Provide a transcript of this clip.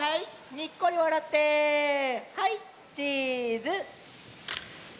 にっこりわらってはいチーズ！